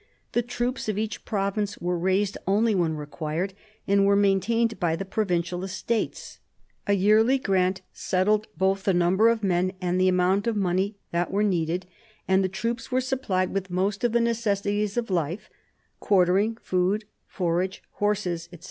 The troops of each province were raised only when required, and were maintained by the provincial Estates; a yearly grant settled both the number of men and the amount of money that were needed; and the troops were supplied with most of the necessaries of life (quartering, food, forage, horses, etc.)